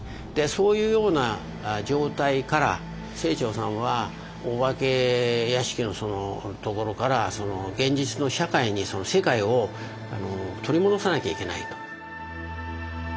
そういうような状態から清張さんはお化け屋敷のところから現実の社会に世界を取り戻さなきゃいけないと。